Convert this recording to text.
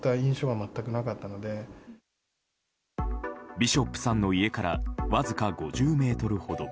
ビショップさんの家からわずか５０ｍほど。